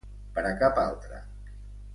Per a cap altre.